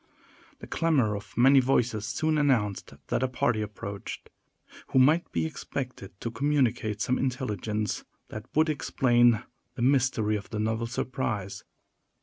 The clamor of many voices soon announced that a party approached, who might be expected to communicate some intelligence that would explain the mystery of the novel surprise.